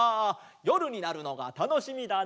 よるになるのがたのしみだなあ。